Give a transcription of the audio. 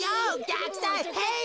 ぎゃくサイヘイ。